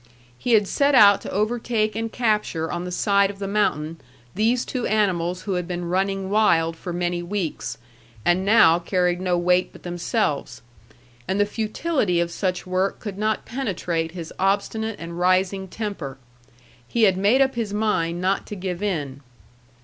He had set out to overtake and capture on the side of the mountain these two animals who had been running wild for many weeks, and now carried no weight but themselves, and the futility of such work could not penetrate his obstinate and rising temper. He had made up his mind not to give in.